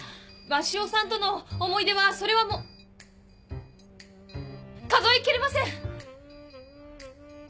鷲尾さんとの思い出はそれはもう数えきれません！